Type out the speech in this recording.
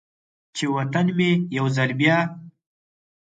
چې و طن مې یو ځل بیا،